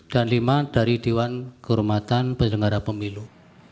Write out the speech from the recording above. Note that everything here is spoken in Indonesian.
dan lima dari dewan kehormatan pendengara pemilu